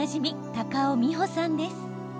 高尾美穂さんです。